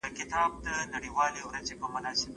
نور یې هیري کړې نارې د ګوروانانو